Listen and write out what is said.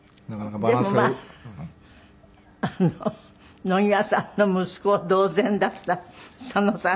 でもまあ野際さんの息子同然だった佐野さん